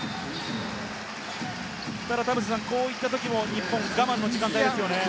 こういったときも日本、我慢の時間帯ですよね。